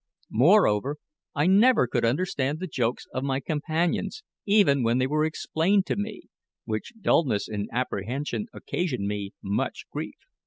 Moreover, I never could understand the jokes of my companions even when they were explained to me, which dulness in apprehension occasioned me much grief.